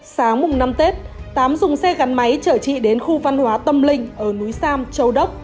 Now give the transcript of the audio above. sáng mùng năm tết tám dùng xe gắn máy chở chị đến khu văn hóa tâm linh ở núi sam châu đốc